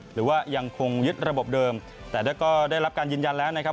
หรือว่ายังคงยึดระบบเดิมแต่ก็ได้รับการยืนยันแล้วนะครับ